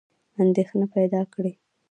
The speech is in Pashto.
اندېښنه پیدا کړې ده.